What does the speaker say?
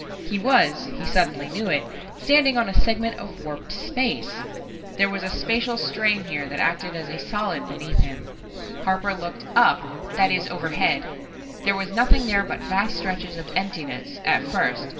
He was he suddenly knew it standing on a segment of warped space! There was a spacial strain here that acted as a solid beneath him! Harper looked "up" that is, overhead. There was nothing there but vast stretches of emptiness at first.